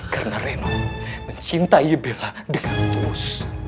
karena reno mencintai bella dengan terus